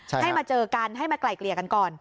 ให้มาเจอกันให้มาไกล่เกลี่ยกันก่อน